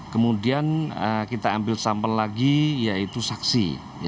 kemudian kita ambil sampel lagi yaitu saksi